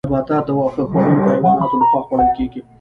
نباتات د واښه خوړونکو حیواناتو لخوا خوړل کیږي